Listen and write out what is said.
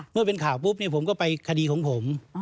เมื่อเป็นข่าวปุ๊บผมก็ไปคดีของผม